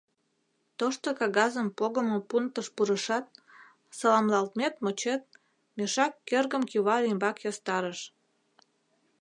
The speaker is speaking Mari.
Тошто кагазым погымо пунктыш пурышат, саламлалтмет-мочет, мешак, кӧргым кӱвар ӱмбак ястарыш.